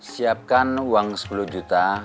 siapkan uang sepuluh juta